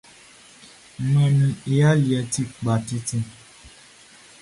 Manmi i aliɛʼn ti kpa titi.